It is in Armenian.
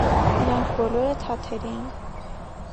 Նրանք բոլորը թաթեր էին։